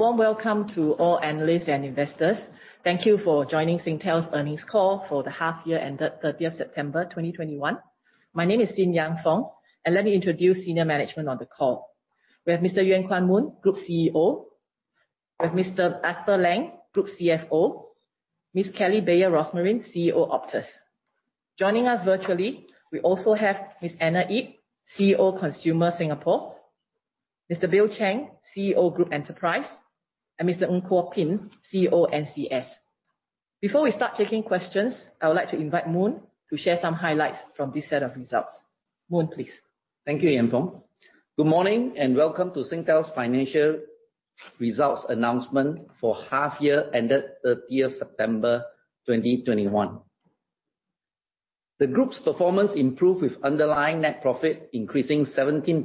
A warm welcome to all analysts and investors. Thank you for joining Singtel's Earnings Call for the Half-Year ended 30th September 2021. My name is Sin Yang Fong, and let me introduce senior management on the call. We have Mr. Yuen Kuan Moon, Group CEO. We have Mr. Arthur Lang, Group CFO. Ms. Kelly Bayer Rosmarin, CEO, Optus. Joining us virtually, we also have Ms. Anna Yip, CEO, Consumer Singapore, Mr. Bill Chang, CEO, Group Enterprise, and Mr. Ng Kuok Pin, CEO, NCS. Before we start taking questions, I would like to invite Mun to share some highlights from this set of results. Moon, please. Thank you, Yang Fong. Good morning, and welcome to Singtel's financial results announcement for half-year ended 30th September 2021. The group's performance improved with underlying net profit increasing 17%,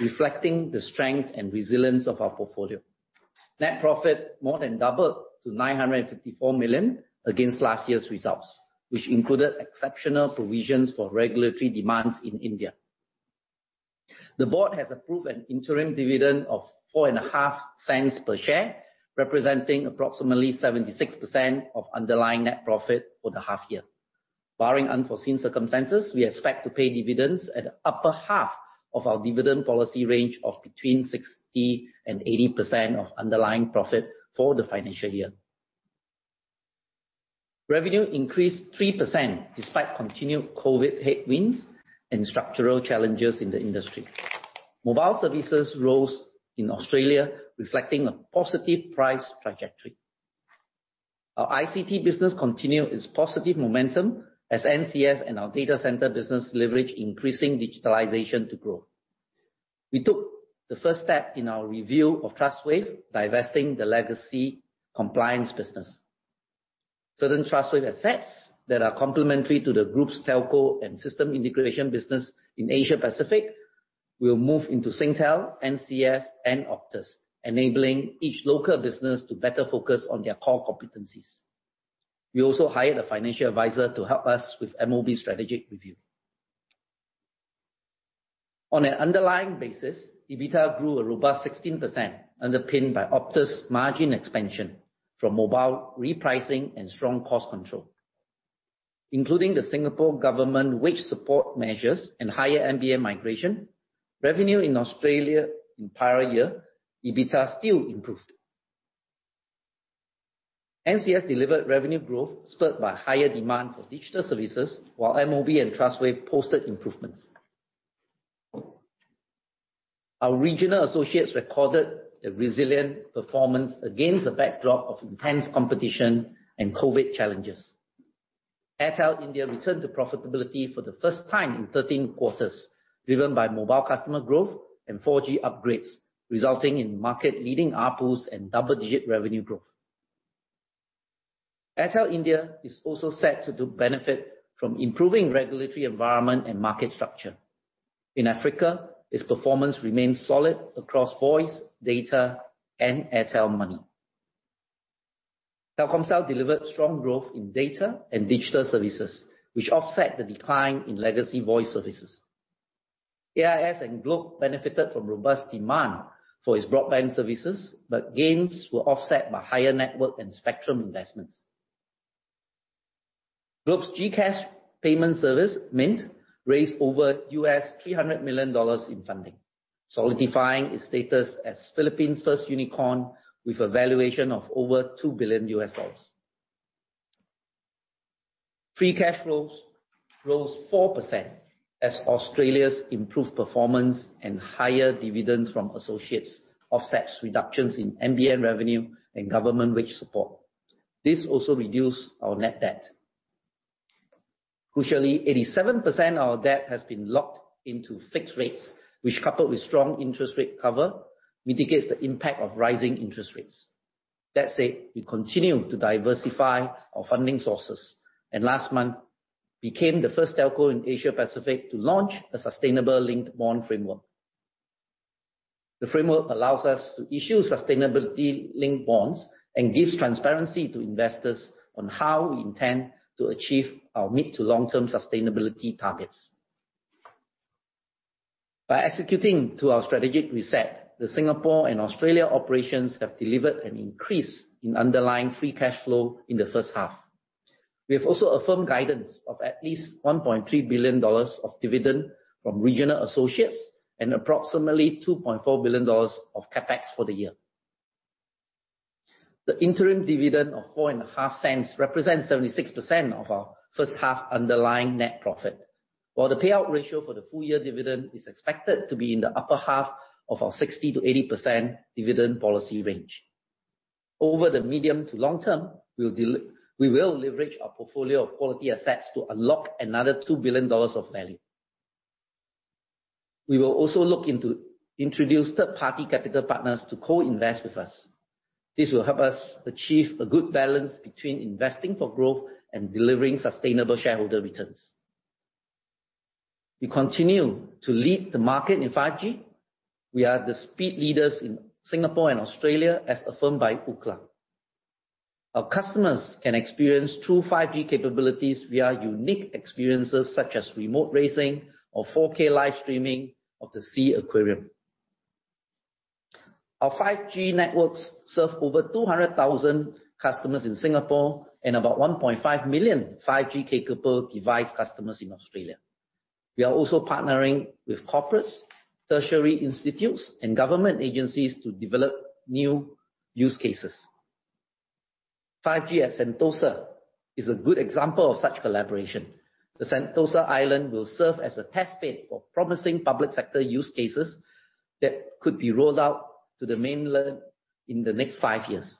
reflecting the strength and resilience of our portfolio. Net profit more than doubled to 954 million against last year's results, which included exceptional provisions for regulatory demands in India. The board has approved an interim dividend of 4.5 cents per share, representing approximately 76% of underlying net profit for the half-year. Barring unforeseen circumstances, we expect to pay dividends at the upper half of our dividend policy range of between 60%-80% of underlying profit for the financial year. Revenue increased 3% despite continued COVID headwinds and structural challenges in the industry. Mobile services rose in Australia, reflecting a positive price trajectory. Our ICT business continues its positive momentum as NCS and our data center business leverage increasing digitalization to grow. We took the first step in our review of Trustwave, divesting the legacy compliance business. Certain Trustwave assets that are complementary to the group's telco and system integration business in Asia Pacific will move into Singtel, NCS, and Optus, enabling each local business to better focus on their core competencies. We also hired a financial advisor to help us with Amobee strategic review. On an underlying basis, EBITDA grew a robust 16%, underpinned by Optus' margin expansion from mobile repricing and strong cost control. Including the Singapore government wage support measures and higher NBN migration, revenue in Australia in prior year, EBITDA still improved. NCS delivered revenue growth spurred by higher demand for digital services, while Amobee and Trustwave posted improvements. Our regional associates recorded a resilient performance against the backdrop of intense competition and COVID challenges. Airtel India returned to profitability for the first time in 13 quarters, driven by mobile customer growth and 4G upgrades, resulting in market-leading ARPU and double-digit revenue growth. Airtel India is also set to benefit from improving regulatory environment and market structure. In Africa, its performance remains solid across voice, data, and Airtel Money. Telkomsel delivered strong growth in data and digital services, which offset the decline in legacy voice services. AIS and Globe benefited from robust demand for its broadband services, but gains were offset by higher network and spectrum investments. Globe's GCash payment service, Mynt, raised over $300 million in funding, solidifying its status as Philippines' first unicorn with a valuation of over $2 billion. Free cash flows rose 4% as Australia's improved performance and higher dividends from associates offsets reductions in NBN revenue and government wage support. This also reduced our net debt. Crucially, 87% of our debt has been locked into fixed rates, which coupled with strong interest rate cover, mitigates the impact of rising interest rates. That said, we continue to diversify our funding sources, and last month became the first telco in Asia Pacific to launch a Sustainability-Linked Bond Framework. The framework allows us to issue Sustainability-Linked Bonds and gives transparency to investors on how we intend to achieve our mid- to long-term sustainability targets. By executing to our strategic reset, the Singapore and Australia operations have delivered an increase in underlying free cash flow in the first half. We have also affirmed guidance of at least 1.3 billion dollars of dividend from regional associates and approximately 2.4 billion dollars of CapEx for the year. The interim dividend of 0.045 represents 76% of our first half underlying net profit. While the payout ratio for the full year dividend is expected to be in the upper half of our 60%-80% dividend policy range. Over the medium to long term, we will leverage our portfolio of quality assets to unlock another 2 billion dollars of value. We will also look to introduce third-party capital partners to co-invest with us. This will help us achieve a good balance between investing for growth and delivering sustainable shareholder returns. We continue to lead the market in 5G. We are the speed leaders in Singapore and Australia, as affirmed by Ookla. Our customers can experience true 5G capabilities via unique experiences such as remote racing or 4K live streaming of the S.E.A. Aquarium. Our 5G networks serve over 200,000 customers in Singapore and about 1.5 million 5G capable device customers in Australia. We are also partnering with corporates, tertiary institutes, and government agencies to develop new use cases. 5G at Sentosa is a good example of such collaboration. The Sentosa Island will serve as a test bed for promising public sector use cases that could be rolled out to the mainland in the next five years.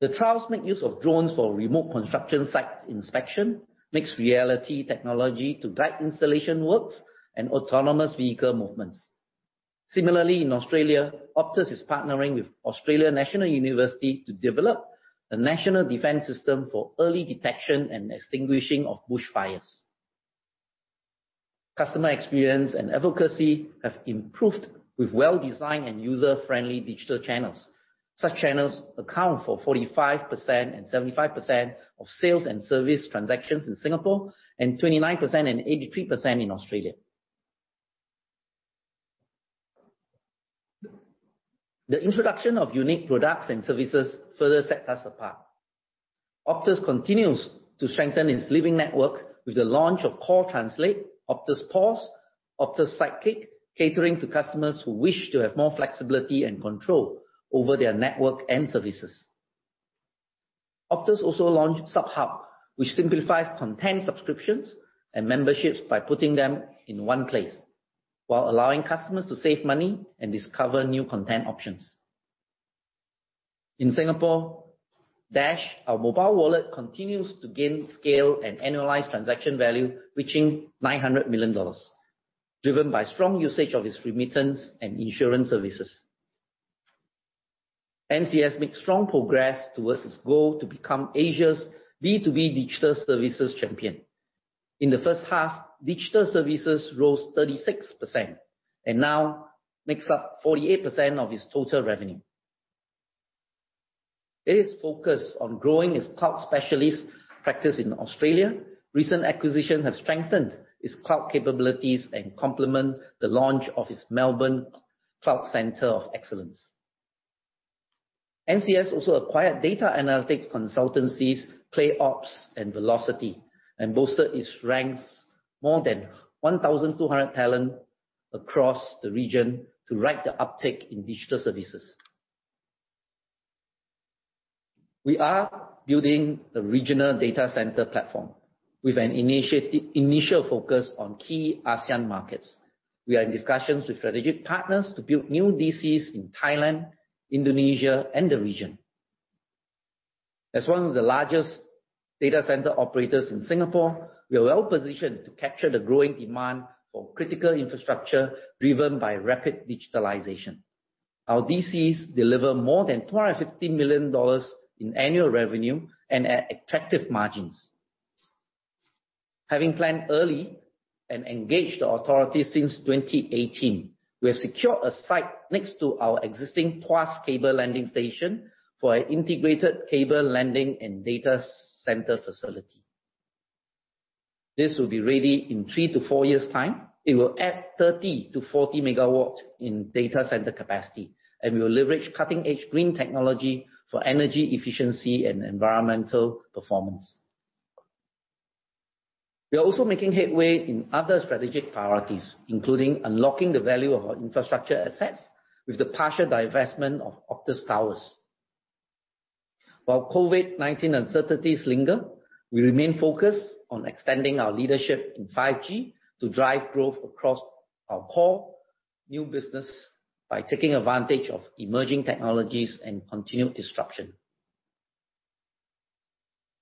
The trials make use of drones for remote construction site inspection, mixed reality technology to guide installation works and autonomous vehicle movements. Similarly, in Australia, Optus is partnering with Australian National University to develop a national defense system for early detection and extinguishing of bush fires. Customer experience and advocacy have improved with well-designed and user-friendly digital channels. Such channels account for 45% and 75% of sales and service transactions in Singapore, and 29% and 83% in Australia. The introduction of unique products and services further sets us apart. Optus continues to strengthen its Living Network with the launch of Call Translate, Optus Pause, Optus Sidekick, catering to customers who wish to have more flexibility and control over their network and services. Optus also launched SubHub, which simplifies content subscriptions and memberships by putting them in one place while allowing customers to save money and discover new content options. In Singapore, Dash, our mobile wallet, continues to gain scale and annualized transaction value reaching 900 million dollars, driven by strong usage of its remittance and insurance services. NCS makes strong progress towards its goal to become Asia's B2B digital services champion. In the first half, digital services rose 36%, and now makes up 48% of its total revenue. It is focused on growing its cloud specialist practice in Australia. Recent acquisitions have strengthened its cloud capabilities and complement the launch of its Melbourne Cloud Center of Excellence. NCS also acquired data analytics consultancies, ClayOPS and Velocity, and bolstered its ranks more than 1,200 talent across the region to ride the uptake in digital services. We are building a regional data center platform with an initial focus on key ASEAN markets. We are in discussions with strategic partners to build new DCs in Thailand, Indonesia, and the region. As one of the largest data center operators in Singapore, we are well-positioned to capture the growing demand for critical infrastructure driven by rapid digitalization. Our DCs deliver more than 250 million dollars in annual revenue and at attractive margins. Having planned early and engaged the authority since 2018, we have secured a site next to our existing Tuas cable landing station for an integrated cable landing and data center facility. This will be ready in three to four years' time. It will add 30 MW-40 MW in data center capacity, and we will leverage cutting-edge green technology for energy efficiency and environmental performance. We are also making headway in other strategic priorities, including unlocking the value of our infrastructure assets with the partial divestment of Optus Towers. While COVID-19 uncertainties linger, we remain focused on extending our leadership in 5G to drive growth across our core new business by taking advantage of emerging technologies and continued disruption.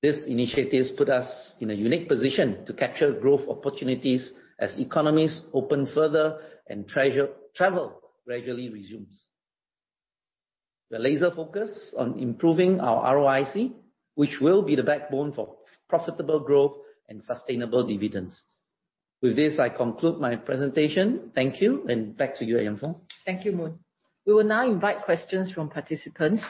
These initiatives put us in a unique position to capture growth opportunities as economies open further and travel gradually resumes. We're laser focused on improving our ROIC, which will be the backbone for profitable growth and sustainable dividends. With this, I conclude my presentation. Thank you. Back to you, Yang Fong. Thank you, Moon. We will now invite questions from participants.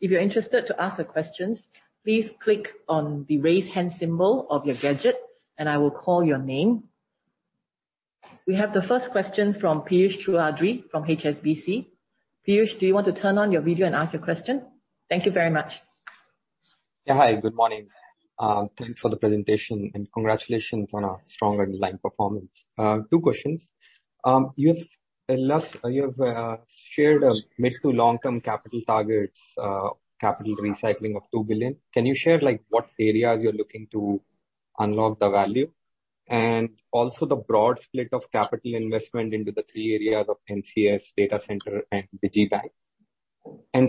If you're interested to ask the questions, please click on the Raise Hand symbol of your gadget, and I will call your name. We have the first question from Piyush Choudhary from HSBC. Piyush, do you want to turn on your video and ask your question? Thank you very much. Yeah. Hi, good morning. Thanks for the presentation, and congratulations on a strong underlying performance. Two questions. Unless you have shared a mid- to long-term capital targets, capital recycling of 2 billion. Can you share, like, what areas you're looking to unlock the value? And also the broad split of capital investment into the three areas of NCS, data center and digibank.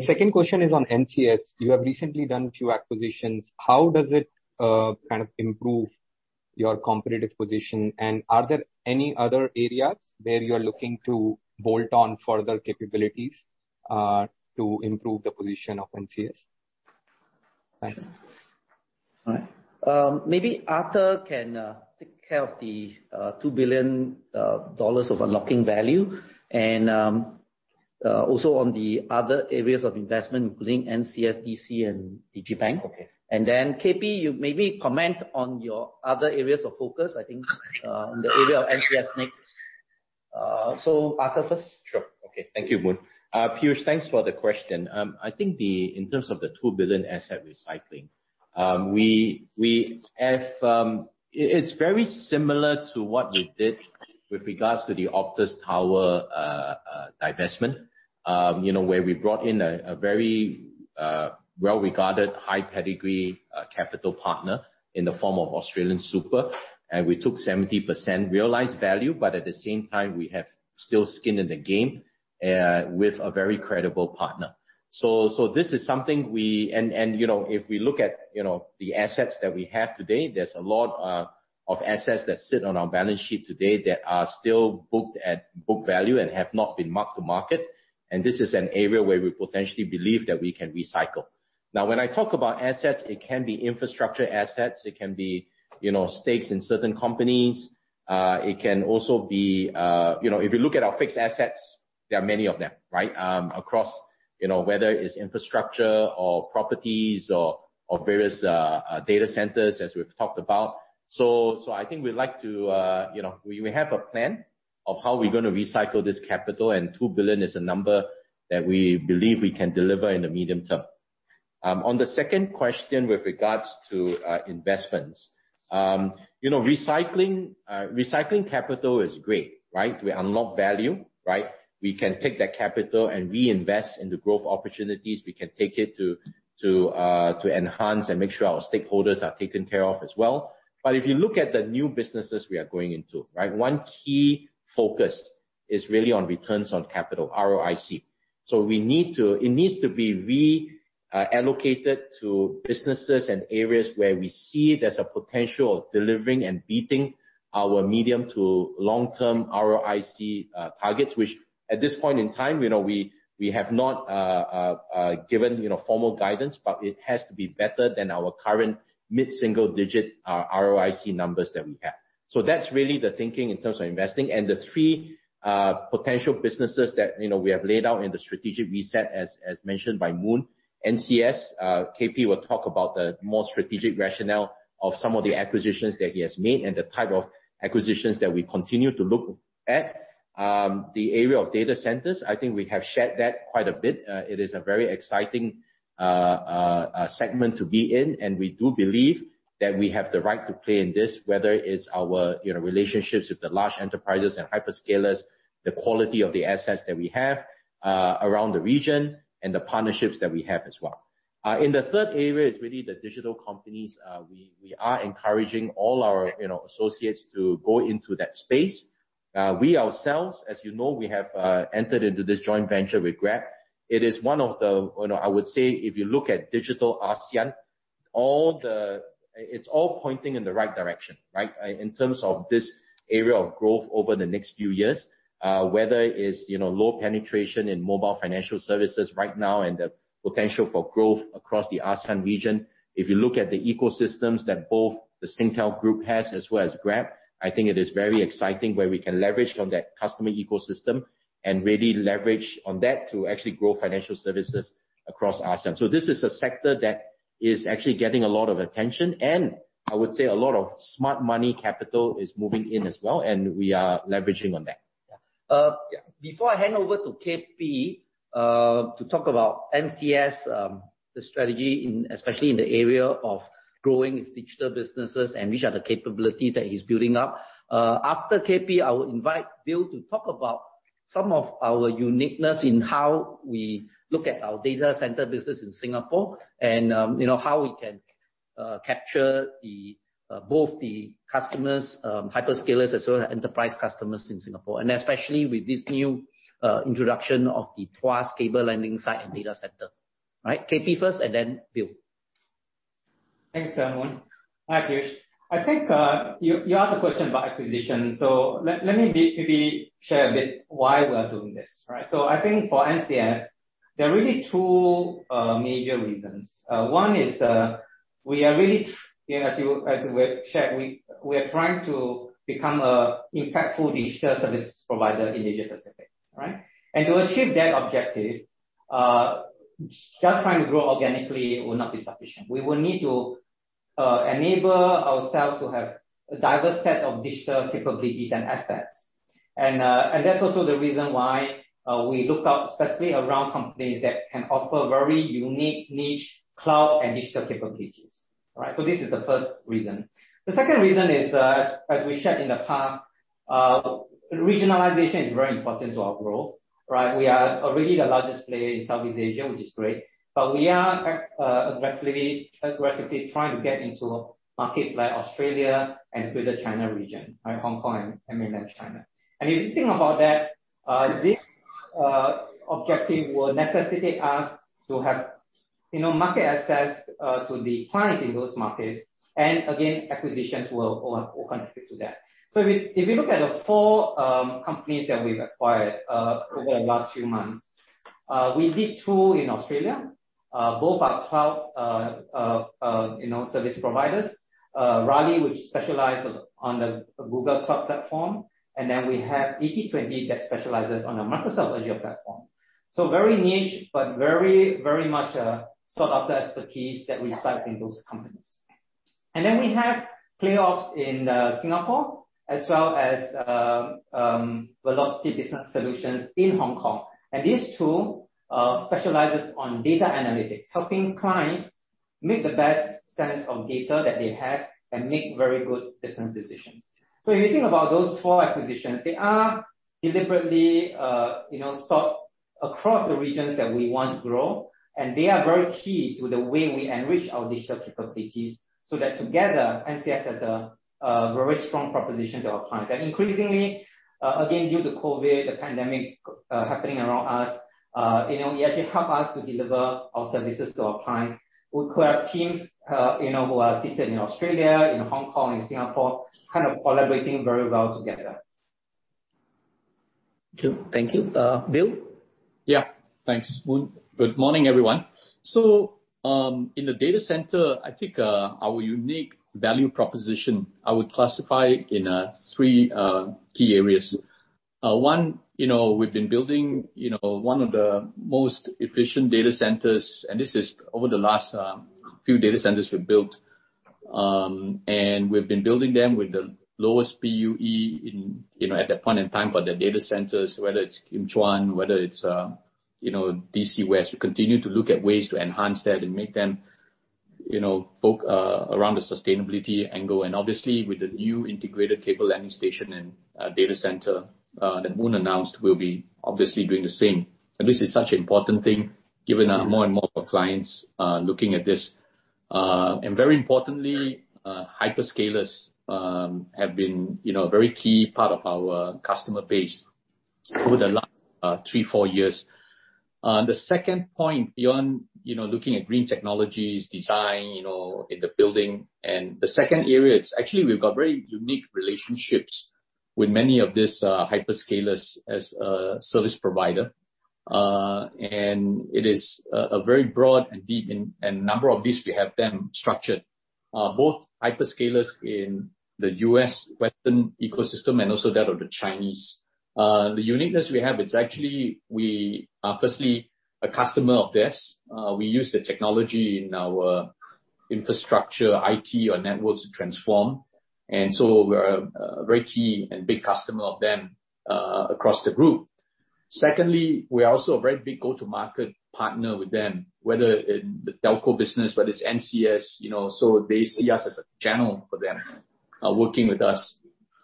Second question is on NCS. You have recently done a few acquisitions. How does it kind of improve your competitive position? And are there any other areas where you're looking to bolt on further capabilities to improve the position of NCS? Right. All right. Maybe Arthur can take care of the 2 billion dollars of unlocking value. Also on the other areas of investment, including NCS, DC, and digibank. Okay. KP, you maybe comment on your other areas of focus, I think, in the area of NCS next. So Arthur first. Sure. Okay. Thank you, Moon. Piyush, thanks for the question. I think in terms of the 2 billion asset recycling, it's very similar to what we did with regards to the Optus Tower divestment. You know, where we brought in a very well-regarded high pedigree capital partner in the form of AustralianSuper. We took 70% realized value, but at the same time we have still skin in the game with a very credible partner. This is something. You know, if we look at you know, the assets that we have today, there's a lot of assets that sit on our balance sheet today that are still booked at book value and have not been marked to market. This is an area where we potentially believe that we can recycle. Now, when I talk about assets, it can be infrastructure assets, it can be, you know, stakes in certain companies. It can also be, you know, if you look at our fixed assets, there are many of them, right? Across, you know, whether it's infrastructure or properties or various data centers as we've talked about. So I think we'd like to, you know, we have a plan of how we're gonna recycle this capital. 2 billion is a number that we believe we can deliver in the medium term. On the second question with regards to investments. You know, recycling capital is great, right? We unlock value, right? We can take that capital and reinvest in the growth opportunities. We can take it to enhance and make sure our stakeholders are taken care of as well. If you look at the new businesses we are going into, right? One key focus is really on returns on capital, ROIC. It needs to be allocated to businesses and areas where we see there's a potential of delivering and beating our medium to long-term ROIC targets. Which at this point in time, you know, we have not given, you know, formal guidance, but it has to be better than our current mid-single-digit ROIC numbers that we have. That's really the thinking in terms of investing. The three potential businesses that, you know, we have laid out in the strategic reset as mentioned by Moon. NCS, KP will talk about the more strategic rationale of some of the acquisitions that he has made and the type of acquisitions that we continue to look at. The area of data centers, I think we have shared that quite a bit. It is a very exciting segment to be in, and we do believe that we have the right to play in this, whether it's our, you know, relationships with the large enterprises and hyperscalers, the quality of the assets that we have around the region, and the partnerships that we have as well. The third area is really the digital companies. We are encouraging all our, you know, associates to go into that space. We ourselves, as you know, we have entered into this joint venture with Grab. It is one of the, you know, I would say if you look at digital ASEAN, It's all pointing in the right direction, right? In terms of this area of growth over the next few years. Whether it's, you know, low penetration in mobile financial services right now and the potential for growth across the ASEAN region. If you look at the ecosystems that both the Singtel group has as well as Grab, I think it is very exciting where we can leverage on that customer ecosystem and really leverage on that to actually grow financial services across ASEAN. This is a sector that is actually getting a lot of attention, and I would say a lot of smart money capital is moving in as well, and we are leveraging on that. Before I hand over to KP to talk about NCS, the strategy especially in the area of growing its digital businesses and which are the capabilities that he's building up. After KP, I will invite Bill to talk about some of our uniqueness in how we look at our data center business in Singapore and, you know, how we can capture the both the customers, hyperscalers as well, enterprise customers in Singapore. Especially with this new introduction of the Tuas cable landing site and data center. Right? Okay Pin first and then Bill. Thanks, Moon. Hi, Piyush Choudhary. I think you asked a question about acquisition, so let me maybe share a bit why we are doing this, right? I think for NCS, there are really two major reasons. One is, we are really, you know, as we've shared, we are trying to become a impactful digital services provider in Asia Pacific, right? To achieve that objective, just trying to grow organically will not be sufficient. We will need to enable ourselves to have a diverse set of digital capabilities and assets. That's also the reason why we look out especially around companies that can offer very unique niche cloud and digital capabilities. All right? This is the first reason. The second reason is, as we shared in the past, regionalization is very important to our growth, right? We are already the largest player in Southeast Asia, which is great, but we are aggressively trying to get into markets like Australia and Greater China region, right? Hong Kong and mainland China. If you think about that, this objective will necessitate us to have, you know, market access to the client in those markets. Again, acquisitions will contribute to that. If you look at the four companies that we've acquired over the last few months. We did two in Australia. Both are cloud service providers. Riley, which specializes on the Google Cloud platform, and then we have 80/20 Solutions that specializes on the Microsoft Azure platform. Very niche, but very, very much a sort of expertise that we seek in those companies. Then we have ClayOPS in Singapore, as well as Velocity Business Solutions in Hong Kong. These two specializes on data analytics, helping clients make the best sense of data that they have and make very good business decisions. If you think about those four acquisitions, they are deliberately sort of across the regions that we want to grow, and they are very key to the way we enrich our digital capabilities, so that together NCS has a very strong proposition to our clients. Increasingly, again, due to COVID, the pandemic, happening around us, you know, it actually help us to deliver our services to our clients. We could have teams, you know, who are seated in Australia, in Hong Kong, in Singapore, kind of collaborating very well together. Thank you. Bill? Yeah. Thanks, Moon. Good morning, everyone. In the data center, I think our unique value proposition I would classify in three key areas. One, you know, we've been building you know, one of the most efficient data centers, and this is over the last few data centers we've built. We've been building them with the lowest PUE in you know, at that point in time for the data centers, whether it's Kim Chuan, whether it's you know, DC West. We continue to look at ways to enhance that and make them you know, focus around the sustainability angle. Obviously, with the new integrated cable landing station and data center that Moon announced, we'll be obviously doing the same. This is such an important thing given that more and more of our clients are looking at this. Very importantly, hyperscalers have been, you know, a very key part of our customer base over the last three to four years. The second point beyond, you know, looking at green technologies, design, you know, in the building. The second area, it's actually we've got very unique relationships with many of these hyperscalers as a service provider. It is a very broad and deep and a number of these we have them structured. Both hyperscalers in the U.S. Western ecosystem and also that of the Chinese. The uniqueness we have is actually we are firstly a customer of theirs. We use their technology in our infrastructure, IT or networks to transform. We're very key and big customer of them across the group. Secondly, we are also a very big go-to-market partner with them, whether in the telco business, whether it's NCS, you know. They see us as a channel for them working with us.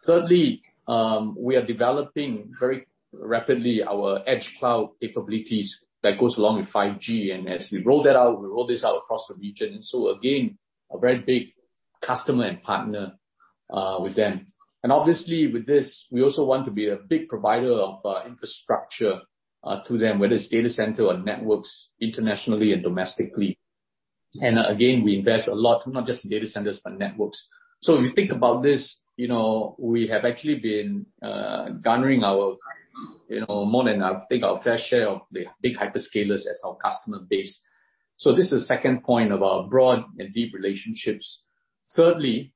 Thirdly, we are developing very rapidly our edge cloud capabilities that goes along with 5G. As we roll that out, we roll this out across the region. Again, a very big customer and partner with them. Obviously with this, we also want to be a big provider of infrastructure to them, whether it's data center or networks, internationally and domestically. Again, we invest a lot, not just in data centers, but networks. If you think about this, you know, we have actually been garnering our, you know, more than I think our fair share of the big hyperscalers as our customer base. This is second point of our broad and deep relationships. Thirdly,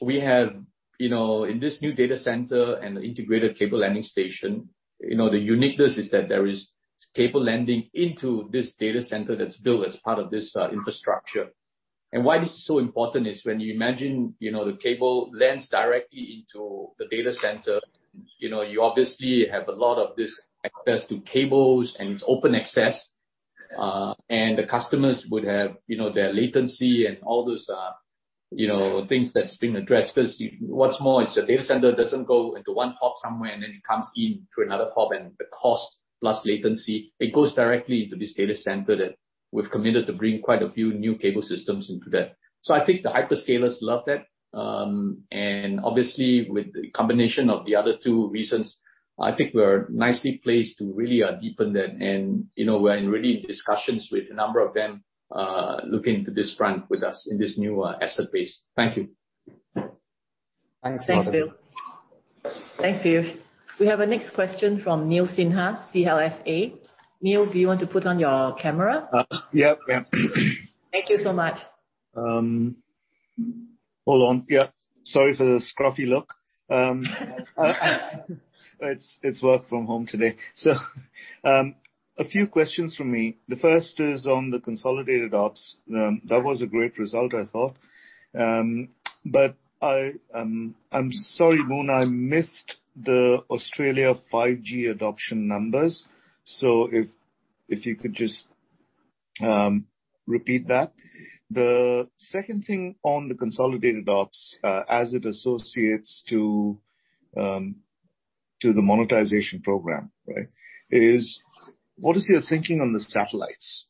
we have, you know, in this new data center and integrated cable landing station, you know, the uniqueness is that there is cable landing into this data center that's built as part of this, infrastructure. Why this is so important is when you imagine, you know, the cable lands directly into the data center, you know, you obviously have a lot of this access to cables and it's open access. The customers would have, you know, their latency and all those, you know, things that's being addressed. Because what's more, the data center doesn't go into one hub somewhere and then it comes into another hub and the cost plus latency. It goes directly into this data center that we've committed to bring quite a few new cable systems into that. So I think the hyperscalers love that. Obviously, with the combination of the other two reasons, I think we're nicely placed to really deepen that. You know, we're in real discussions with a number of them, looking into this front with us in this new asset base. Thank you. Thanks. Thanks, Bill. We have our next question from Neel Sinha, CLSA. Neel, do you want to put on your camera? Yep. Yep. Thank you so much. Hold on. Yeah. Sorry for the scruffy look. It's work from home today. A few questions from me. The first is on the consolidated ops. That was a great result, I thought. I'm sorry, Moon, I missed the Australia 5G adoption numbers. If you could just repeat that. The second thing on the consolidated ops, as it relates to the monetization program, right? What is your thinking on the satellites?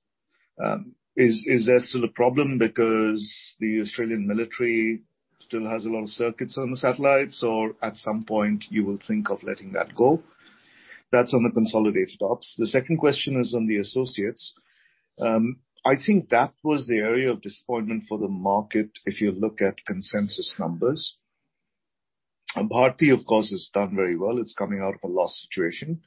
Is there still a problem because the Australian military still has a lot of circuits on the satellites or at some point you will think of letting that go? That's on the consolidated ops. The second question is on the associates. I think that was the area of disappointment for the market if you look at consensus numbers. Bharti, of course, has done very well. It's coming out of a loss situation.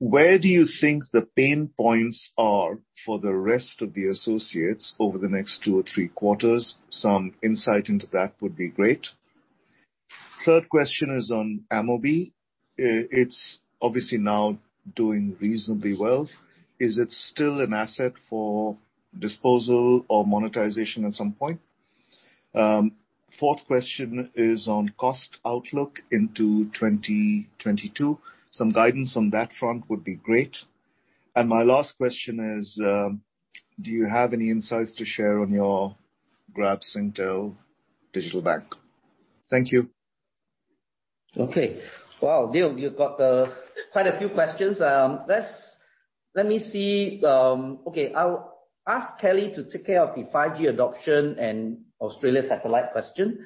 Where do you think the pain points are for the rest of the associates over the next two or three quarters? Some insight into that would be great. Third question is on Amobee. It's obviously now doing reasonably well. Is it still an asset for disposal or monetization at some point? Fourth question is on cost outlook into 2022. Some guidance on that front would be great. My last question is, do you have any insights to share on your Grab Singtel digital bank? Thank you. Neel, you've got quite a few questions. Let me see. I'll ask Kelly to take care of the 5G adoption and Australia satellite question.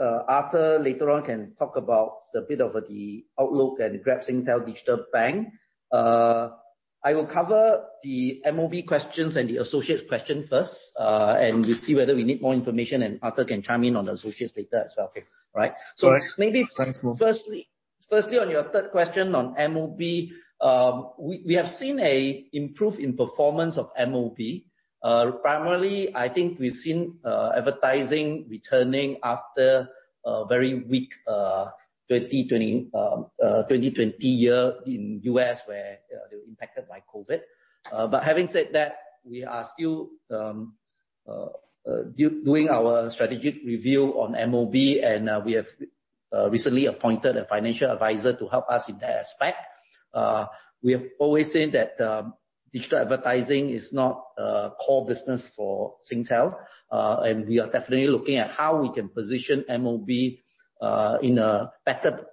Arthur later on can talk about a bit of the outlook at Grab-Singtel digital bank. I will cover the Amobee questions and the associates question first, and we'll see whether we need more information, and Arthur can chime in on the associates data as well. Okay. Right. All right. Maybe Thanks, Moon. Firstly, on your third question on Amobee, we have seen an improvement in performance of Amobee. Primarily, I think we've seen advertising returning after a very weak 2020 year in U.S., where they were impacted by COVID. Having said that, we are still doing our strategic review on Amobee and we have recently appointed a financial advisor to help us in that aspect. We have always said that digital advertising is not a core business for Singtel, and we are definitely looking at how we can position Amobee in a better,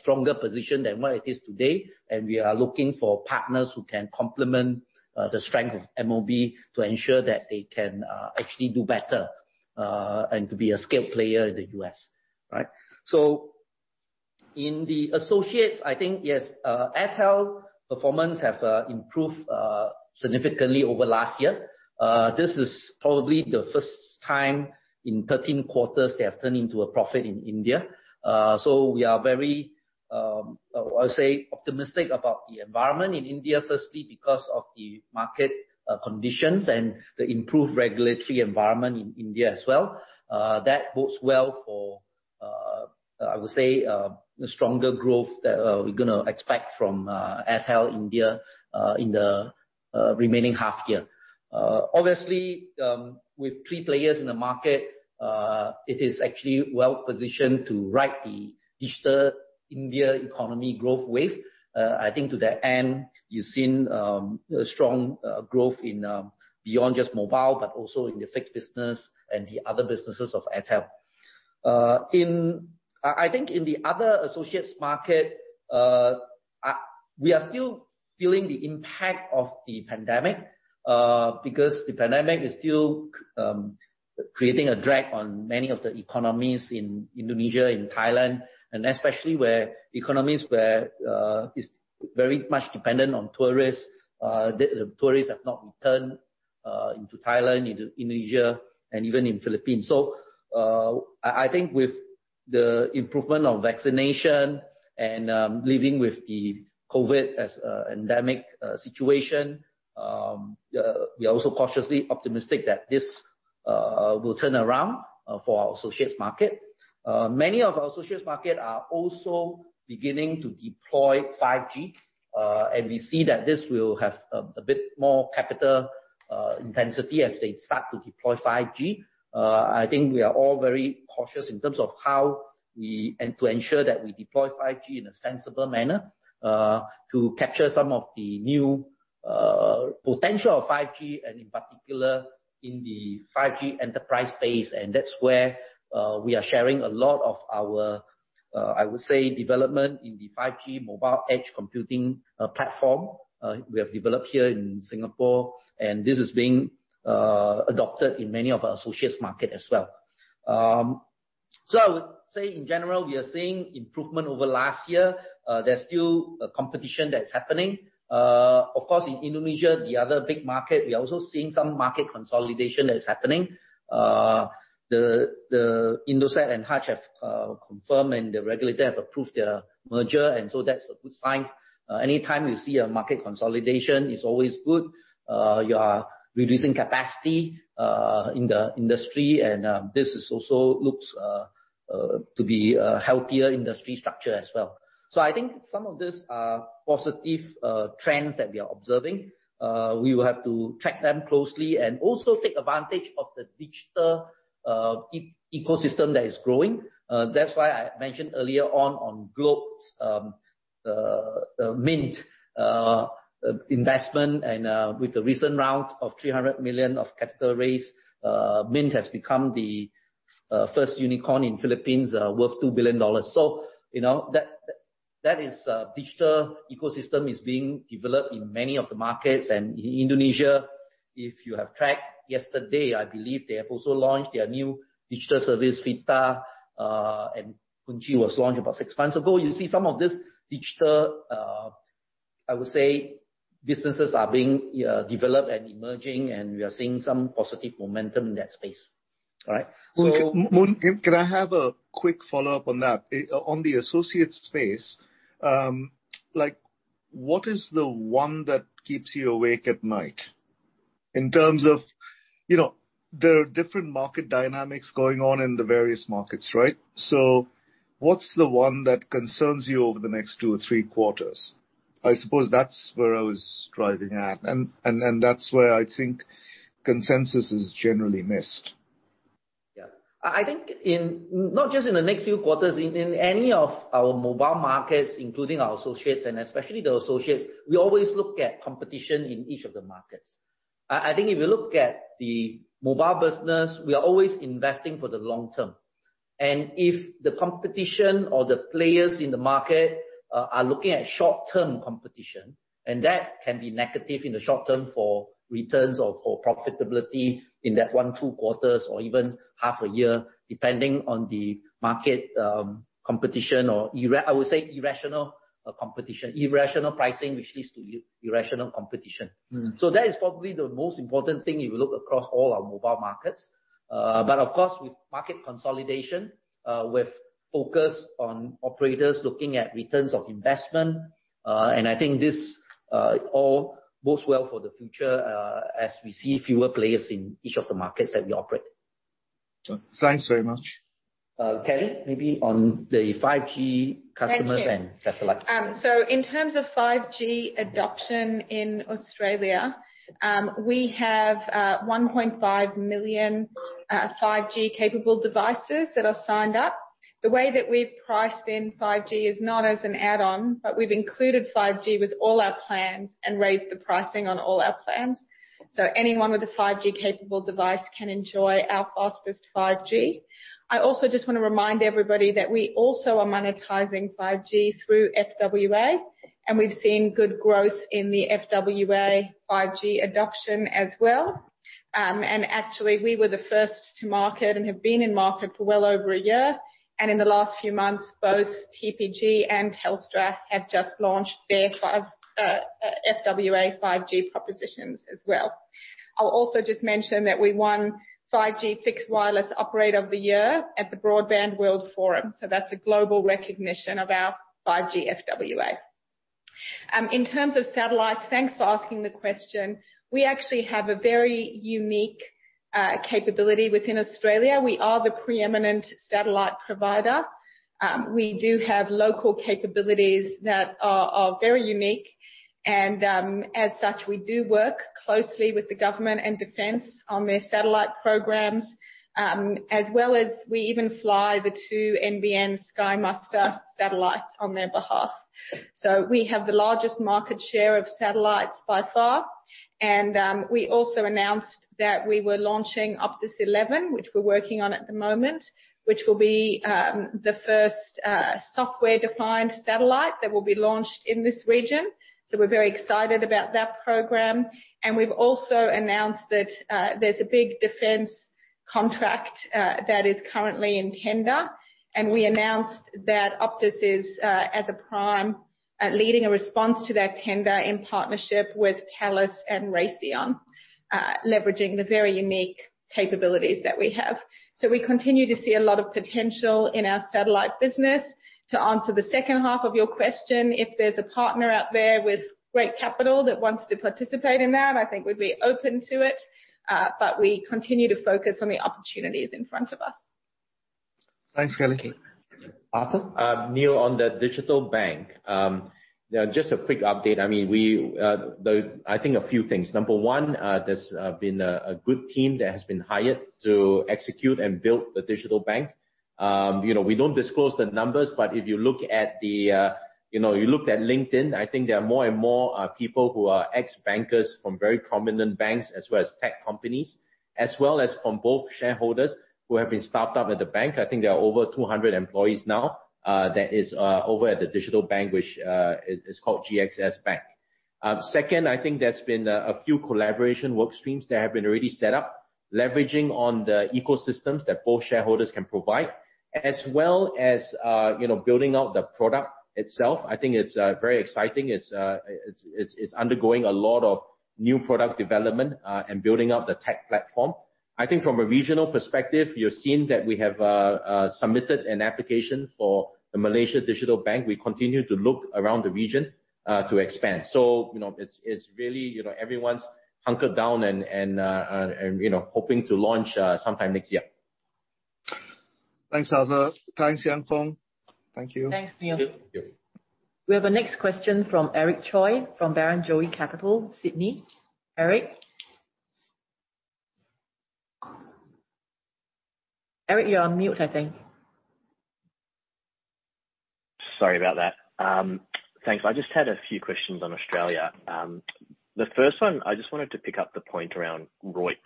stronger position than where it is today. We are looking for partners who can complement the strength of mobile to ensure that they can actually do better and to be a scale player in the US. Right. In the associates, I think, yes, Airtel performance have improved significantly over last year. This is probably the first time in 13 quarters they have turned into a profit in India. We are very, I'll say, optimistic about the environment in India, firstly, because of the market conditions and the improved regulatory environment in India as well. That bodes well for, I would say, a stronger growth that we're gonna expect from Airtel India in the remaining half year. Obviously, with three players in the market, it is actually well-positioned to ride the Digital India economy growth wave. I think to that end, you've seen strong growth, beyond just mobile, but also in the fixed business and the other businesses of Airtel. I think in the other associates market, we are still feeling the impact of the pandemic, because the pandemic is still creating a drag on many of the economies in Indonesia, in Thailand, and especially where economies is very much dependent on tourists. The tourists have not returned into Thailand, into Indonesia, and even in Philippines. I think with the improvement of vaccination and living with the COVID as an endemic situation, we are also cautiously optimistic that this will turn around for our associates market. Many of our associates market are also beginning to deploy 5G, and we see that this will have a bit more capital intensity as they start to deploy 5G. I think we are all very cautious in terms of and to ensure that we deploy 5G in a sensible manner to capture some of the new potential of 5G, and in particular in the 5G enterprise space. That's where we are sharing a lot of our, I would say, development in the 5G mobile edge computing platform we have developed here in Singapore, and this is being adopted in many of our associates market as well. I would say in general, we are seeing improvement over last year. There's still a competition that's happening. Of course, in Indonesia, the other big market, we are also seeing some market consolidation that is happening. The Indosat and Hutch have confirmed, and the regulator have approved their merger, and so that's a good sign. Anytime you see a market consolidation, it's always good. You are reducing capacity in the industry, and this also looks to be a healthier industry structure as well. I think some of these are positive trends that we are observing. We will have to track them closely and also take advantage of the digital ecosystem that is growing. That's why I mentioned earlier on Globe Mynt investment and with the recent round of $300 million of capital raise, Mynt has become the first unicorn in Philippines worth $2 billion. You know, that digital ecosystem is being developed in many of the markets. In Indonesia, if you have tracked yesterday, I believe they have also launched their new digital service, Fita, and Kuncie was launched about six months ago. You see some of this digital, I would say businesses are being developed and emerging, and we are seeing some positive momentum in that space. All right. So- Moon, can I have a quick follow-up on that? On the associate space, like, what is the one that keeps you awake at night in terms of, you know, there are different market dynamics going on in the various markets, right? What's the one that concerns you over the next two or three quarters? I suppose that's where I was driving at and that's where I think consensus is generally missed. Yeah. I think not just in the next few quarters, in any of our mobile markets, including our associates and especially the associates, we always look at competition in each of the markets. I think if you look at the mobile business, we are always investing for the long term. If the competition or the players in the market are looking at short-term competition, and that can be negative in the short term for returns or for profitability in that 1-2 quarters or even half a year, depending on the market, competition or I would say irrational competition. Irrational pricing, which leads to irrational competition. Mm-hmm. That is probably the most important thing if you look across all our mobile markets. Of course, with market consolidation, with focus on operators looking at return on investment, and I think this all bodes well for the future, as we see fewer players in each of the markets that we operate. Thanks very much. Kelly, maybe on the 5G customers- Thank you. satellite. In terms of 5G adoption in Australia, we have 1.5 million 5G-capable devices that are signed up. The way that we've priced in 5G is not as an add-on, but we've included 5G with all our plans and raised the pricing on all our plans. Anyone with a 5G-capable device can enjoy our fastest 5G. I also just wanna remind everybody that we also are monetizing 5G through FWA, and we've seen good growth in the FWA 5G adoption as well. Actually, we were the first to market and have been in market for well over a year. In the last few months, both TPG and Telstra have just launched their 5G FWA 5G propositions as well. I'll also just mention that we won 5G Fixed Wireless Operator of the Year at the Broadband World Forum, so that's a global recognition of our 5G FWA. In terms of satellites, thanks for asking the question. We actually have a very unique capability within Australia. We are the preeminent satellite provider. We do have local capabilities that are very unique and, as such, we do work closely with the government and defense on their satellite programs, as well as we even fly the two NBN Sky Muster satellites on their behalf. So we have the largest market share of satellites by far. We also announced that we were launching Optus 11, which we're working on at the moment, which will be the first software-defined satellite that will be launched in this region. So we're very excited about that program. We've also announced that there's a big defense contract that is currently in tender. We announced that Optus is as a prime leading a response to that tender in partnership with Thales and Raytheon leveraging the very unique capabilities that we have. We continue to see a lot of potential in our satellite business. To answer the second half of your question, if there's a partner out there with great capital that wants to participate in that, I think we'd be open to it. We continue to focus on the opportunities in front of us. Thanks, Kelly. Arthur? Neel, on the digital bank. Just a quick update. I mean, I think a few things. Number one, there's been a good team that has been hired to execute and build the digital bank. You know, we don't disclose the numbers, but if you look at LinkedIn, I think there are more and more people who are ex-bankers from very prominent banks, as well as tech companies, as well as from both shareholders who have been staffed up at the bank. I think there are over 200 employees now that is over at the digital bank, which is called GXS Bank. Second, I think there's been a few collaboration work streams that have been already set up, leveraging on the ecosystems that both shareholders can provide, as well as you know, building out the product itself. I think it's very exciting. It's undergoing a lot of new product development and building out the tech platform. I think from a regional perspective, you're seeing that we have submitted an application for the Malaysia Digital Bank. We continue to look around the region to expand. You know, it's really, you know, everyone's hunkered down and you know, hoping to launch sometime next year. Thanks, Arthur. Thanks, Yang Fong. Thank you. Thanks, Neel. Thank you. We have our next question from Eric Choi, from Barrenjoey Capital Partners, Sydney. Eric? Eric, you're on mute, I think. Sorry about that. Thanks. I just had a few questions on Australia. The first one, I just wanted to pick up the point around ROIC.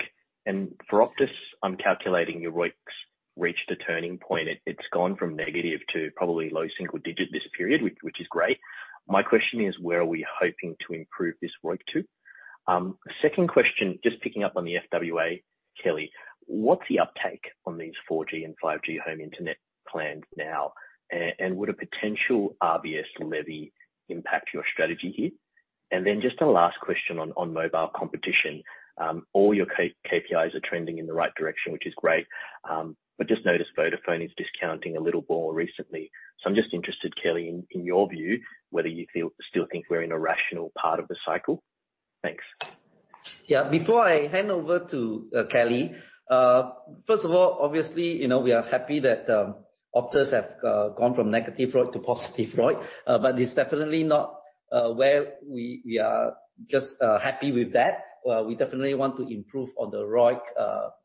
For Optus, I'm calculating your ROIC's reached a turning point. It's gone from negative to probably low single digit this period, which is great. My question is, where are we hoping to improve this ROIC to? Second question, just picking up on the FWA, Kelly, what's the uptake on these 4G and 5G home internet plans now? And would a potential RSP levy impact your strategy here? Then just a last question on mobile competition. All your KPIs are trending in the right direction, which is great, but just noticed Vodafone is discounting a little more recently. I'm just interested, Kelly, in your view, whether you feel still think we're in a rational part of the cycle. Thanks. Yeah. Before I hand over to Kelly, first of all, obviously, you know, we are happy that Optus have gone from negative ROIC to positive ROIC, but it's definitely not where we are just happy with that. We definitely want to improve on the ROIC,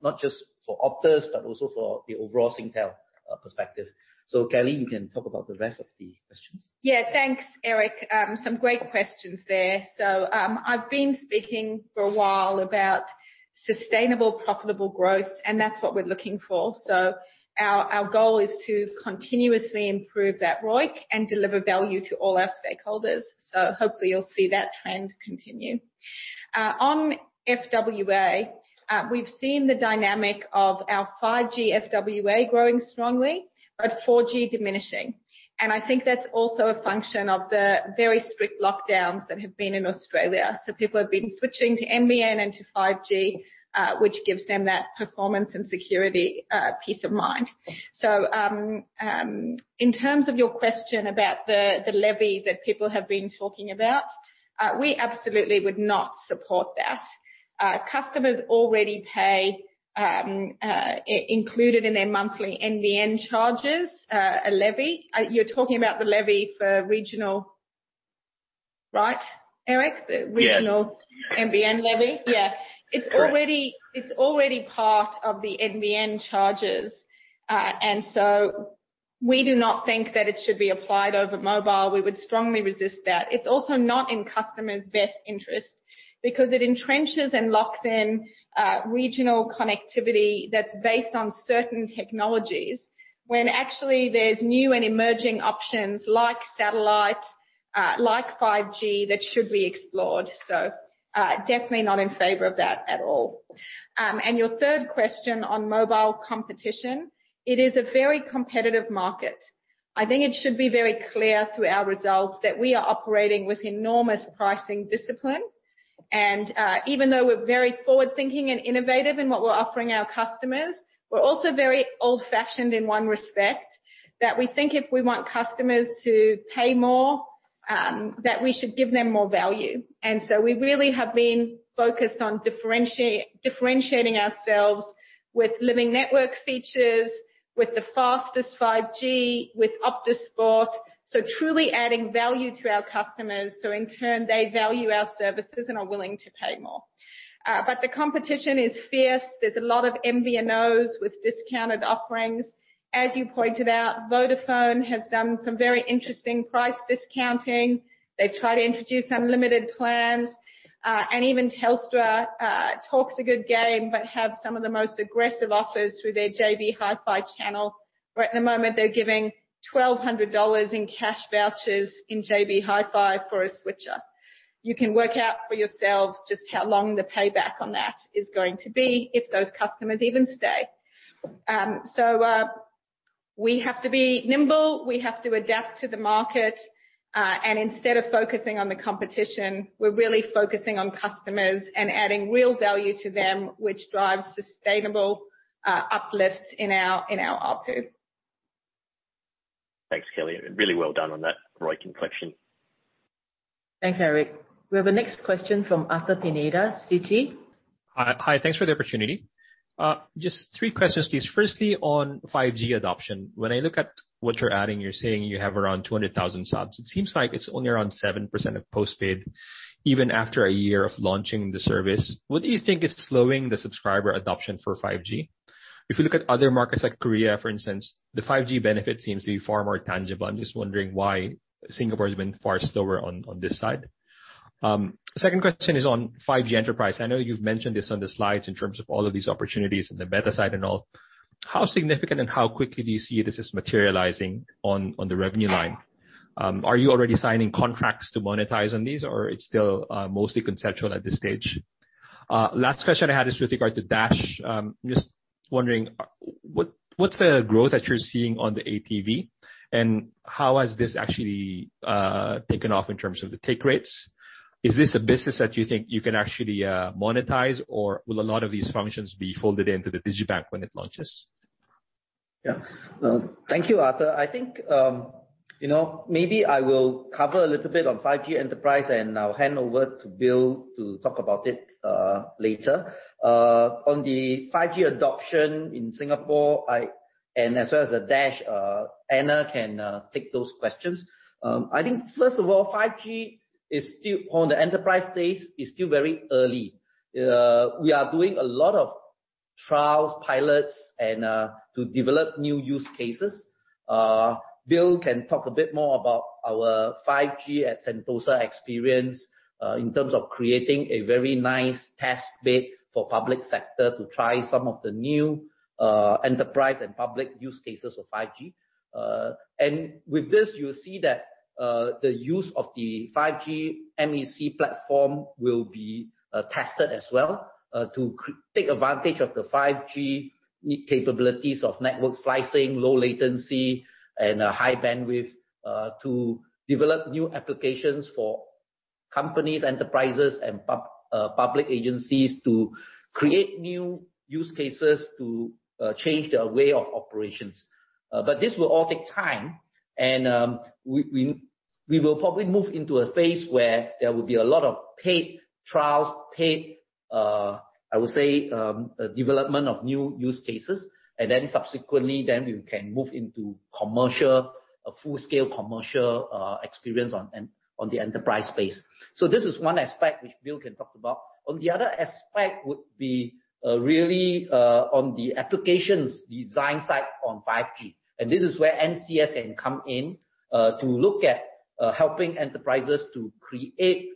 not just for Optus, but also for the overall Singtel perspective. Kelly, you can talk about the rest of the questions? Yeah. Thanks, Eric. Some great questions there. I've been speaking for a while about sustainable, profitable growth, and that's what we're looking for. Our goal is to continuously improve that ROIC and deliver value to all our stakeholders. Hopefully you'll see that trend continue. On FWA, we've seen the dynamic of our 5G FWA growing strongly but 4G diminishing. I think that's also a function of the very strict lockdowns that have been in Australia. People have been switching to NBN and to 5G, which gives them that performance and security, peace of mind. In terms of your question about the levy that people have been talking about, we absolutely would not support that. Customers already pay, included in their monthly NBN charges, a levy. You're talking about the levy for regional, right, Eric? Yeah. The regional NBN levy? Yeah. Correct. It's already part of the NBN charges. We do not think that it should be applied over mobile. We would strongly resist that. It's also not in customers' best interest because it entrenches and locks in regional connectivity that's based on certain technologies, when actually there's new and emerging options like satellite, like 5G, that should be explored. Definitely not in favor of that at all. Your third question on mobile competition, it is a very competitive market. I think it should be very clear through our results that we are operating with enormous pricing discipline. Even though we're very forward-thinking and innovative in what we're offering our customers, we're also very old-fashioned in one respect, that we think if we want customers to pay more, that we should give them more value. We really have been focused on differentiating ourselves with Living Network features, with the fastest 5G, with Optus Sport. Truly adding value to our customers, so in turn they value our services and are willing to pay more. But the competition is fierce. There's a lot of MVNOs with discounted offerings. As you pointed out, Vodafone has done some very interesting price discounting. They've tried to introduce unlimited plans. Even Telstra talks a good game, but have some of the most aggressive offers through their JB Hi-Fi channel, where at the moment they're giving 1,200 dollars in cash vouchers in JB Hi-Fi for a switcher. You can work out for yourselves just how long the payback on that is going to be, if those customers even stay. We have to be nimble, we have to adapt to the market. Instead of focusing on the competition, we're really focusing on customers and adding real value to them, which drives sustainable uplifts in our ARPU. Thanks, Kelly. Really well done on that ROIC inflection. Thanks, Eric. We have the next question from Arthur Pineda, Citi. Hi. Hi, thanks for the opportunity. Just three questions, please. Firstly, on 5G adoption. When I look at what you're adding, you're saying you have around 200,000 subs. It seems like it's only around 7% of post-paid, even after a year of launching the service. What do you think is slowing the subscriber adoption for 5G? If you look at other markets like Korea, for instance, the 5G benefit seems to be far more tangible. I'm just wondering why Singapore has been far slower on this side. Second question is on 5G enterprise. I know you've mentioned this on the slides in terms of all of these opportunities in the B2B side and all. How significant and how quickly do you see this as materializing on the revenue line? Are you already signing contracts to monetize on these or it's still mostly conceptual at this stage? Last question I had is with regard to Dash. Just wondering, what's the growth that you're seeing on the ATV, and how has this actually taken off in terms of the take rates? Is this a business that you think you can actually monetize, or will a lot of these functions be folded into the digibank when it launches? Yeah. Thank you, Arthur. I think, you know, maybe I will cover a little bit on 5G enterprise and I'll hand over to Bill to talk about it, later. On the 5G adoption in Singapore, and as well as the Dash, Anna can take those questions. I think first of all, 5G is still on the enterprise phase, is still very early. We are doing a lot of trials, pilots and to develop new use cases. Bill can talk a bit more about our 5G at Sentosa experience, in terms of creating a very nice test bed for public sector to try some of the new, enterprise and public use cases for 5G. With this you'll see that the use of the 5G MEC platform will be tested as well to take advantage of the 5G capabilities of network slicing, low latency and high bandwidth to develop new applications for companies, enterprises, and public agencies to create new use cases to change their way of operations. This will all take time and we will probably move into a phase where there will be a lot of paid trials, I would say development of new use cases and then subsequently we can move into a full scale commercial experience on the enterprise space. This is one aspect which Bill can talk about. On the other aspect would be, really, on the applications design side on 5G, and this is where NCS can come in, to look at, helping enterprises to create,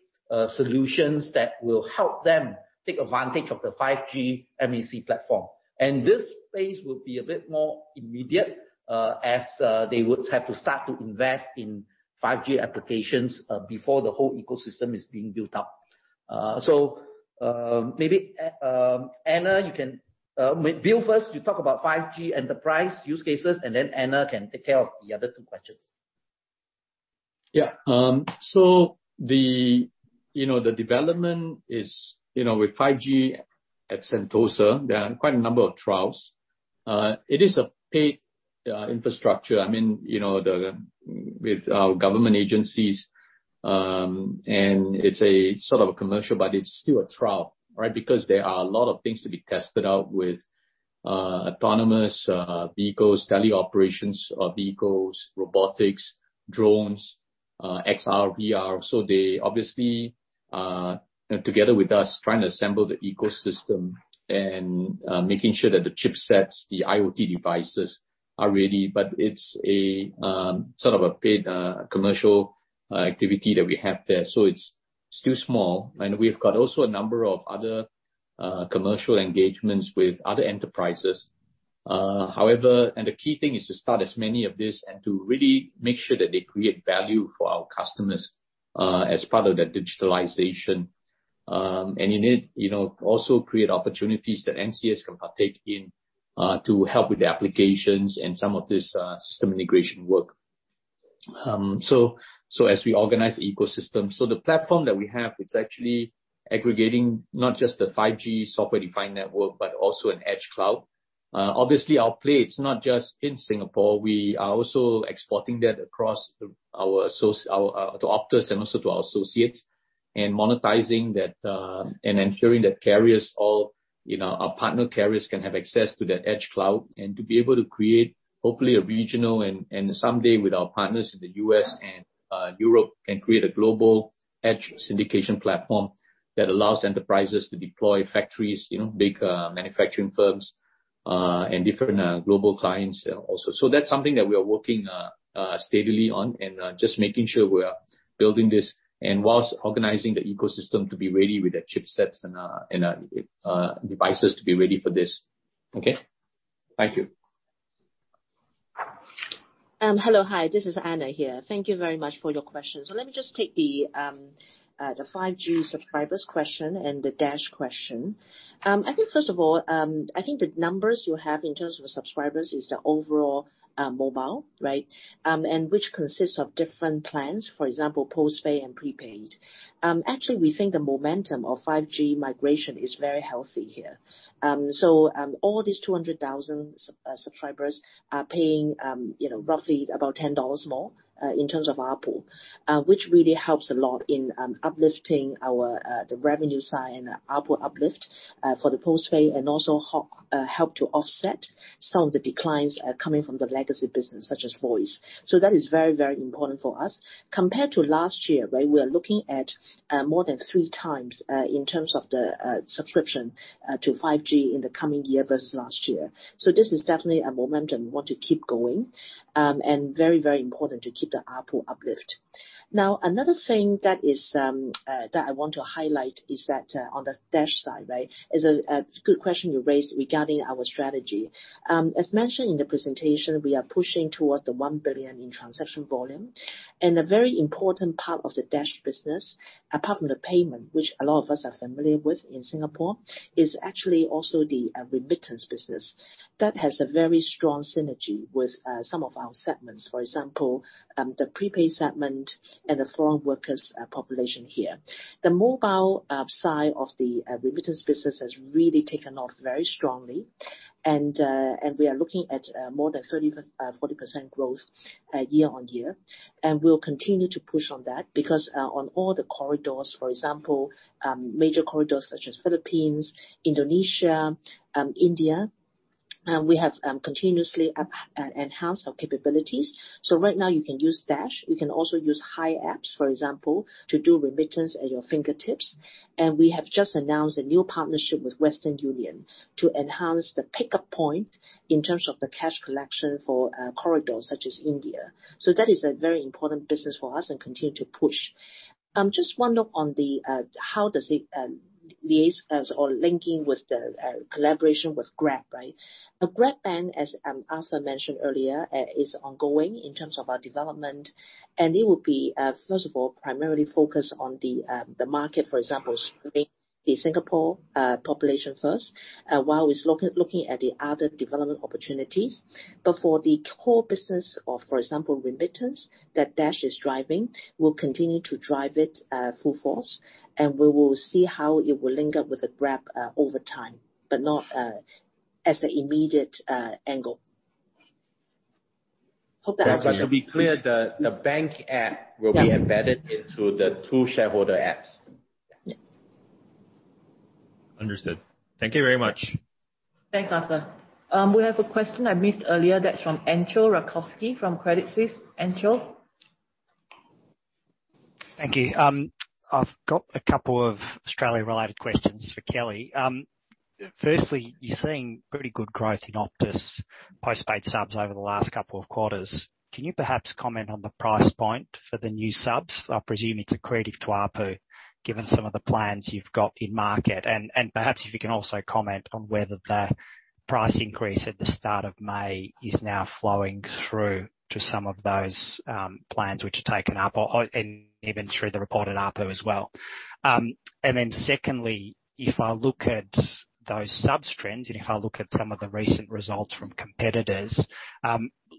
solutions that will help them take advantage of the 5G MEC platform. This phase will be a bit more immediate, as, they would have to start to invest in 5G applications, before the whole ecosystem is being built up. Maybe Anna you can. Bill first you talk about 5G enterprise use cases, and then Anna can take care of the other two questions. The development is with 5G at Sentosa. There are quite a number of trials. It is a paid infrastructure. I mean, you know, with our government agencies, and it's a sort of commercial, but it's still a trial, right? Because there are a lot of things to be tested out with autonomous vehicles, teleoperations of vehicles, robotics, drones, XR, VR. So they obviously together with us trying to assemble the ecosystem and making sure that the chipsets, the IoT devices are ready. But it's a sort of paid commercial activity that we have there, so it's still small. We've got also a number of other commercial engagements with other enterprises. However, the key thing is to start as many of this and to really make sure that they create value for our customers, as part of that digitalization. In it, you know, also create opportunities that NCS can partake in, to help with the applications and some of this, system integration work. As we organize the ecosystem. The platform that we have, it's actually aggregating not just the 5G software-defined network, but also an edge cloud. Obviously our play, it's not just in Singapore. We are also exporting that across our associates to Optus and also to our associates, and monetizing that, and ensuring that carriers all, you know, our partner carriers can have access to that edge cloud and to be able to create hopefully a regional and someday with our partners in the U.S. and Europe, can create a global edge syndication platform that allows enterprises to deploy factories, you know, big manufacturing firms and different global clients also. That's something that we are working steadily on and just making sure we are building this and whilst organizing the ecosystem to be ready with the chipsets and devices to be ready for this. Okay. Thank you. Hello. Hi, this is Anna Yip here. Thank you very much for your question. Let me just take the 5G subscribers question and the Dash question. I think first of all, the numbers you have in terms of subscribers is the overall mobile, right, which consists of different plans, for example, post-pay and prepaid. Actually we think the momentum of 5G migration is very healthy here. All these 200,000 subscribers are paying, you know, roughly about 10 dollars more in terms of ARPU. Which really helps a lot in uplifting our, the revenue side and ARPU uplift for the post-pay and also help to offset some of the declines coming from the legacy business such as voice. That is very, very important for us. Compared to last year, right, we are looking at more than three times in terms of the subscription to 5G in the coming year versus last year. This is definitely a momentum we want to keep going. Very, very important to keep the ARPU uplift. Now another thing that is that I want to highlight is that on the Dash side, right, is a good question you raised regarding our strategy. As mentioned in the presentation, we are pushing towards the 1 billion in transaction volume. A very important part of the Dash business, apart from the payment which a lot of us are familiar with in Singapore, is actually also the remittance business. That has a very strong synergy with some of our segments. For example, the prepaid segment and the foreign workers population here. The mobile side of the remittance business has really taken off very strongly and we are looking at more than 30%-40% growth year-on-year. We'll continue to push on that because on all the corridors, for example, major corridors such as Philippines, Indonesia, India. We have continuously enhanced our capabilities. Right now you can use Dash. You can also use Hi! App, for example, to do remittance at your fingertips. We have just announced a new partnership with Western Union to enhance the pickup point in terms of the cash collection for corridors such as India. That is a very important business for us, and we continue to push. Just one note on how it liaises or links with the collaboration with Grab, right? The GXS Bank, as Arthur mentioned earlier, is ongoing in terms of our development, and it will be first of all, primarily focused on the market, for example, the Singapore population first, while we're looking at the other development opportunities. For the core business of, for example, remittance that Dash is driving, we'll continue to drive it full force, and we will see how it will link up with the Grab over time, but not as an immediate angle. Hope that answers your- To be clear, the bank app Yeah. will be embedded into the two shareholder apps. Yeah. Understood. Thank you very much. Thanks, Arthur. We have a question I missed earlier that's from Entcho Raykovski from Credit Suisse. Entcho? Thank you. I've got a couple of Australia-related questions for Kelly. Firstly, you're seeing pretty good growth in Optus postpaid subs over the last couple of quarters. Can you perhaps comment on the price point for the new subs? I presume it's accretive to ARPU, given some of the plans you've got in market. And perhaps if you can also comment on whether the price increase at the start of May is now flowing through to some of those plans which are taken up on and even through the reported ARPU as well. And then secondly, if I look at those sub-trends, and if I look at some of the recent results from competitors,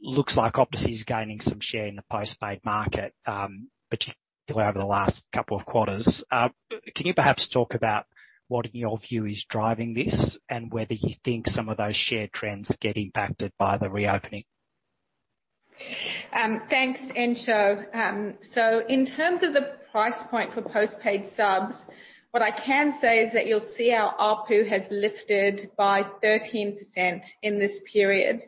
looks like Optus is gaining some share in the postpaid market, particularly over the last couple of quarters. Can you perhaps talk about what in your view is driving this and whether you think some of those share trends get impacted by the reopening? Thanks, Entcho. In terms of the price point for postpaid subs, what I can say is that you'll see our ARPU has lifted by 13% in this period.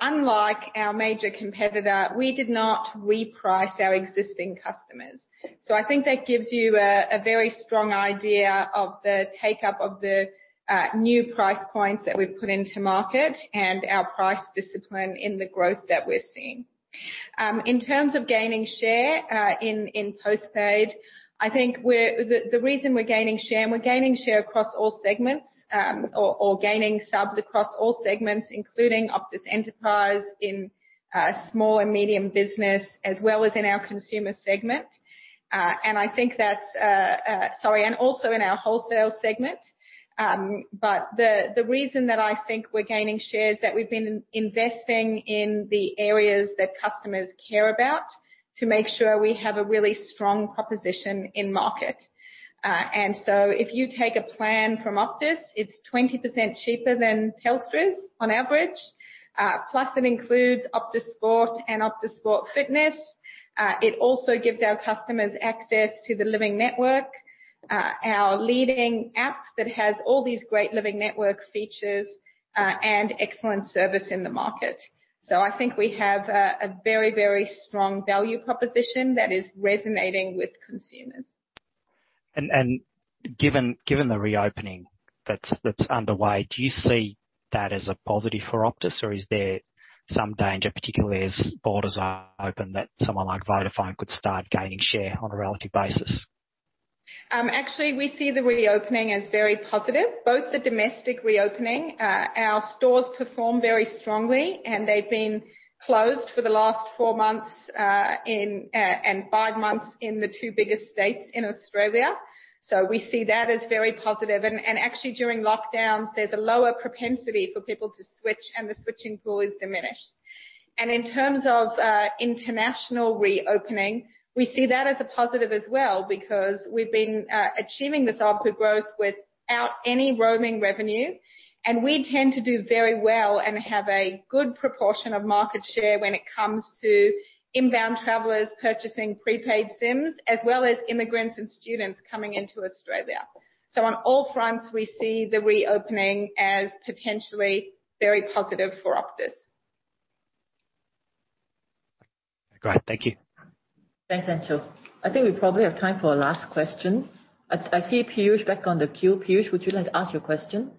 Unlike our major competitor, we did not reprice our existing customers. I think that gives you a very strong idea of the take-up of the new price points that we've put into market and our price discipline in the growth that we're seeing. In terms of gaining share in postpaid, I think the reason we're gaining share, and we're gaining share across all segments or gaining subs across all segments, including Optus Enterprise in small and medium business, as well as in our consumer segment. I think that's also in our wholesale segment. The reason that I think we're gaining shares is that we've been investing in the areas that customers care about to make sure we have a really strong proposition in market. If you take a plan from Optus, it's 20% cheaper than Telstra's on average. Plus it includes Optus Sport and Optus Sport Fitness. It also gives our customers access to the Living Network, our leading app that has all these great Living Network features, and excellent service in the market. I think we have a very, very strong value proposition that is resonating with consumers. Given the reopening that's underway, do you see that as a positive for Optus? Or is there some danger, particularly as borders are open, that someone like Vodafone could start gaining share on a relative basis? Actually, we see the reopening as very positive. Both the domestic reopening, our stores perform very strongly, and they've been closed for the last four months and five months in the two biggest states in Australia. We see that as very positive. Actually, during lockdowns, there's a lower propensity for people to switch, and the switching pool is diminished. In terms of international reopening, we see that as a positive as well, because we've been achieving this ARPU growth without any roaming revenue. We tend to do very well and have a good proportion of market share when it comes to inbound travelers purchasing prepaid SIMs as well as immigrants and students coming into Australia. On all fronts, we see the reopening as potentially very positive for Optus. Great. Thank you. Thanks, Entcho. I think we probably have time for a last question. I see Piyush back on the queue. Piyush, would you like to ask your question?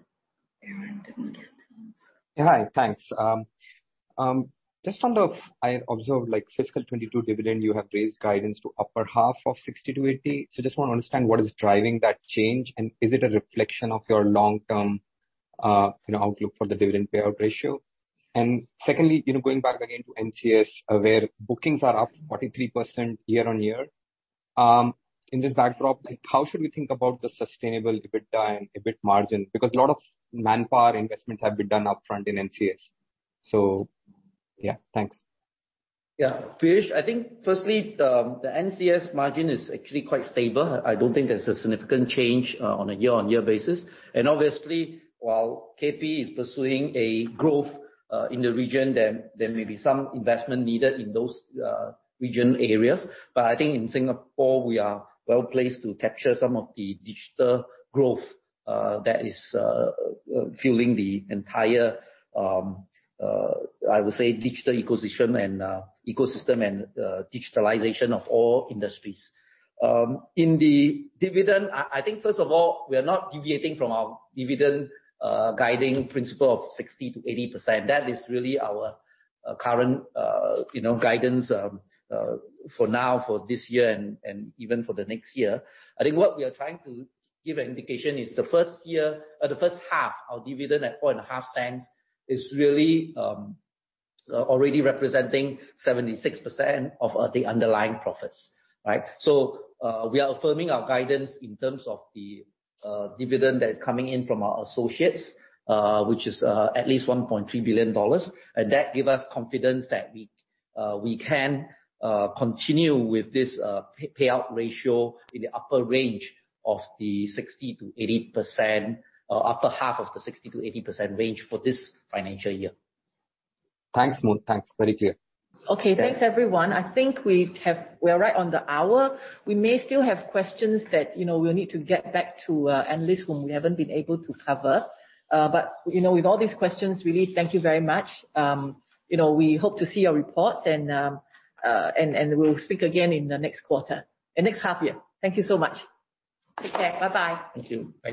Arthur didn't get to answer. Hi. Thanks. Just on the fiscal 2022 dividend, I observed, like, you have raised guidance to upper half of 60-80. I wanna understand what is driving that change, and is it a reflection of your long-term, you know, outlook for the dividend payout ratio? Secondly, you know, going back again to NCS, where bookings are up 43% year-on-year. In this backdrop, like, how should we think about the sustainable EBITDA and EBIT margin? Because a lot of manpower investments have been done upfront in NCS. Yeah. Thanks. Yeah. Piyush, I think firstly, the NCS margin is actually quite stable. I don't think there's a significant change on a year-on-year basis. Obviously, while KP is pursuing a growth in the region, there may be some investment needed in those region areas. I think in Singapore, we are well placed to capture some of the digital growth that is fueling the entire digital ecosystem and digitalization of all industries. In the dividend, I think first of all, we are not deviating from our dividend guiding principle of 60%-80%. That is really our current you know guidance for now, for this year and even for the next year. I think what we are trying to give an indication is the first year or the first half, our dividend at 0.045 is really already representing 76% of the underlying profits, right? We are affirming our guidance in terms of the dividend that is coming in from our associates, which is at least 1.3 billion dollars. That gives us confidence that we can continue with this payout ratio in the upper range of the 60%-80%, upper half of the 60%-80% range for this financial year. Thanks, Moon. Thanks. Very clear. Okay. Thanks, everyone. I think we're right on the hour. We may still have questions that, you know, we'll need to get back to analysts whom we haven't been able to cover. But, you know, with all these questions, really thank you very much. You know, we hope to see your reports and we'll speak again in the next quarter, next half year. Thank you so much. Take care. Bye-bye. Thank you. Bye.